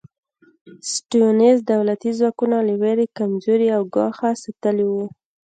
سټیونز دولتي ځواکونه له وېرې کمزوري او ګوښه ساتلي وو.